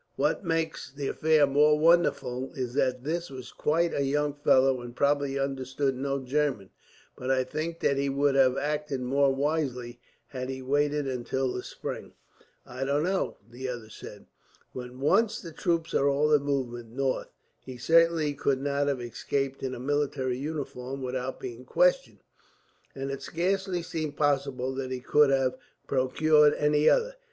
What makes the affair more wonderful is that this was quite a young fellow, and probably understood no German; but I think that he would have acted more wisely, had he waited until the spring." "I don't know," the other said. "When once the troops are all in movement north, he certainly could not have escaped in a military uniform without being questioned; and it scarcely seems possible that he could have procured any other.